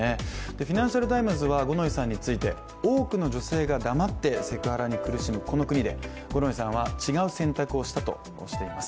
「フィナンシャル・タイムズ」は五ノ井さんについて、多くの女性が黙ってセクハラに苦しむこの国で、五ノ井さんは違う選択をしたとしています。